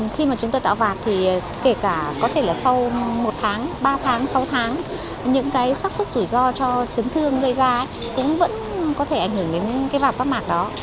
khi mà chúng tôi tạo vạt thì kể cả có thể là sau một tháng ba tháng sáu tháng những cái sắc xúc rủi ro cho chấn thương gây ra cũng vẫn có thể ảnh hưởng đến cái vạt rác mạc đó